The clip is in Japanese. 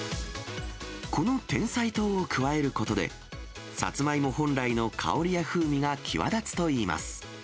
このてんさい糖を加えることで、サツマイモ本来の香りや風味が際立つといいます。